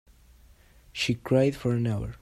She cried for an hour.